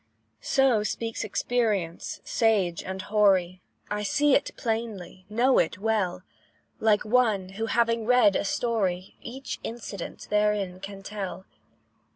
So speaks experience, sage and hoary; I see it plainly, know it well, Like one who, having read a story, Each incident therein can tell.